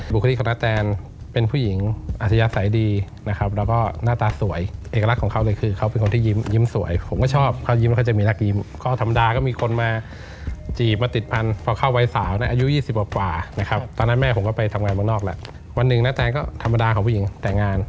คณะแตนเป็นผู้หญิงอาชญาศัยดีนะครับแล้วก็หน้าตาสวยเอกลักษณ์ของเขาเลยคือเขาเป็นคนที่ยิ้มสวยผมก็ชอบเขายิ้มแล้วเขาจะมีนักยิ้มเขาธรรมดาก็มีคนมาจีบมาติดพันธุ์พอเข้าวัยสาวนะอายุ๒๐กว่านะครับตอนนั้นแม่ผมก็ไปทำงานเมืองนอกแล้ววันหนึ่งนาแตนก็ธรรมดาของผู้หญิงแต่งงาน